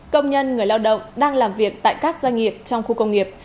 công nhân người lao động đang làm việc tại các doanh nghiệp trong khu công nghiệp